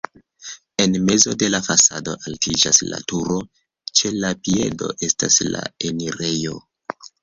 En mezo de la fasado altiĝas la turo, ĉe la piedo estas la enirejo.